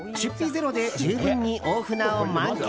ゼロで十分に大船を満喫。